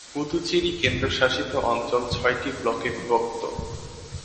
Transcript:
পুদুচেরি কেন্দ্রশাসিত অঞ্চল ছয়টি ব্লকে বিভক্ত।